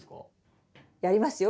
やりますよ